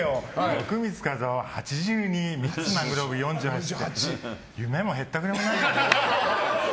徳光和夫、８２ミッツ・マングローブ、４８って夢もへったくれもないいよね。